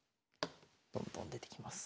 どんどん出てきます。